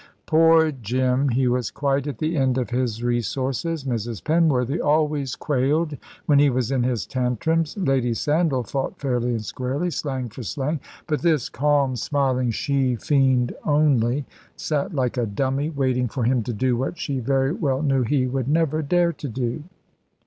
Poor Jim. He was quite at the end of his resources. Mrs. Penworthy always quailed, when he was in his tantrums; Lady Sandal fought fairly and squarely, slang for slang: but this calm, smiling she fiend only sat like a dummy, waiting for him to do what she very well knew he would never dare to do.